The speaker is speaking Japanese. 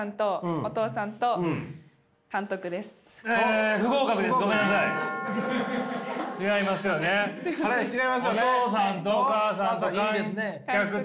お父さんとお母さんと観客と。